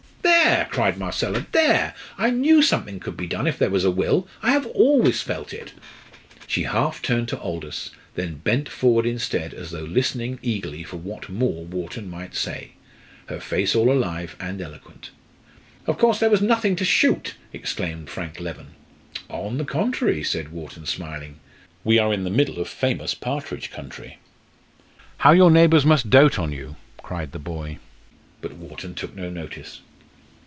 "There!" cried Marcella. "There! I knew something could be done, if there was a will. I have always felt it." She half turned to Aldous, then bent forward instead as though listening eagerly for what more Wharton might say, her face all alive, and eloquent. "Of course, there was nothing to shoot!" exclaimed Frank Leven. "On the contrary," said Wharton, smiling, "we are in the middle of a famous partridge country." "How your neighbours must dote on you!" cried the boy. But Wharton took no notice.